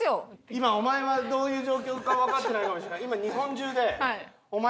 今お前はどういう状況かわかってないかもしれない。